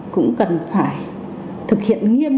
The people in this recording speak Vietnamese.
cũng cần phải thực hiện nghiêm